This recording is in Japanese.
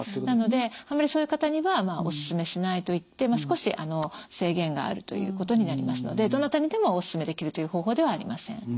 なのであんまりそういう方にはおすすめしないと言って少し制限があるということになりますのでどなたにでもおすすめできるという方法ではありません。